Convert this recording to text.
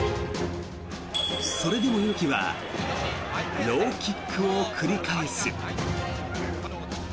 それでも猪木はローキックを繰り返す。